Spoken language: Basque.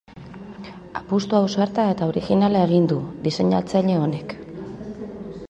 Apustu ausarta eta orijinala egin du diseinatzaile honek.